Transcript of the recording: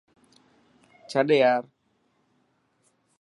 ڇڏ يار.